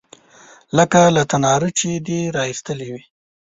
_لکه له تناره چې دې را ايستلې وي.